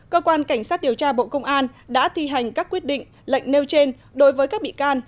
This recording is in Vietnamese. cơ quan cảnh sát điều tra bộ công an đã thi hành các quyết định lệnh nêu trên đối với các bị can